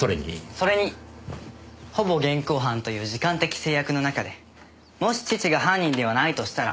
それにほぼ現行犯という時間的制約の中でもし父が犯人ではないとしたら。